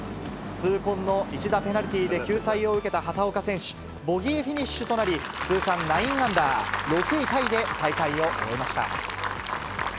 痛恨の１打ペナルティーで救済を受けた畑岡選手、ボギーフィニッシュとなり、通算９アンダー、６位タイで大会を終えました。